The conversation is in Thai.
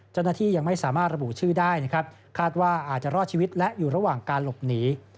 เจ้าหน้าที่ยังไม่สามารถระบุชื่อได้นะครับคาดว่าอาจจะรอดชีวิตและอยู่ระหว่างการหลบหนี